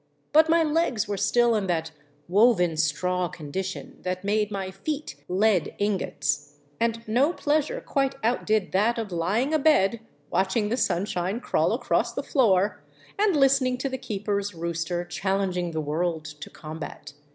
But my legs were still in that woven straw condition that made my feet lead ingots ; and no pleasure quite outdid that of lying abed watch ing the sunshine crawl across the floor, and listening to the keeper's rooster challenging the world to combat.